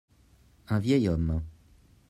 Un vieil homme.